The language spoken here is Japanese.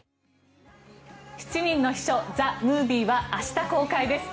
「七人の秘書ＴＨＥＭＯＶＩＥ」は明日公開です。